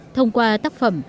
thông qua tác phẩm